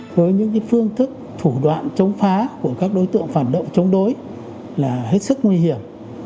với những phương thức thủ đoạn chống phá của các đối tượng phản động chống đối là hết sức nguy hiểm